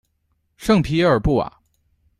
圣皮耶尔布瓦。